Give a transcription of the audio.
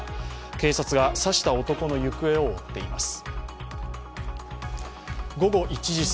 警察が刺した男の行方を追っています。